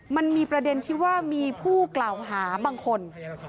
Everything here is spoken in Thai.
มันมีประเด็นที่ว่ามีผู้กล่าวหาบางคน